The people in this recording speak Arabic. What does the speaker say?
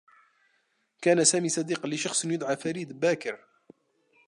كان سامي صديقا لشخص يُدعى فريد باكر.